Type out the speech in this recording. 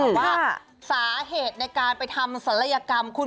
ว่าสาเหตุในการไปทำศัลยกรรมคุณ